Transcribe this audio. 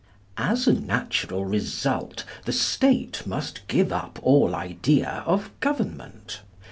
As a natural result the State must give up all idea of government.